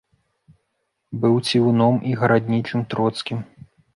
Быў цівуном і гараднічым троцкім.